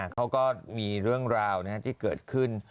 เขาก็มีเรื่องราวที่เกิดขึ้น